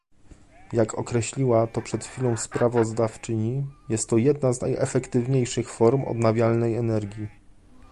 Jak określiła to przed chwilą sprawozdawczyni, jest to jedna z najefektywniejszych form odnawialnej energii